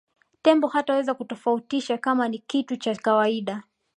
tembo hataweza kutofautisha kama ni kitu cha kawaida